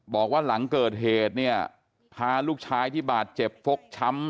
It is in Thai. บอกว่าหลังเกิดเหตุเนี่ยพาลูกชายที่บาดเจ็บฟกช้ำ